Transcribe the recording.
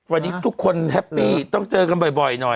วันนี้ทุกคนแฮปปี้ต้องเจอกันบ่อยหน่อย